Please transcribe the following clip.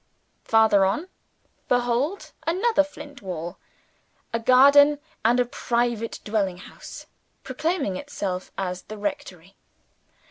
Farther on, behold another flint wall, a garden, and a private dwelling house; proclaiming itself as the rectory.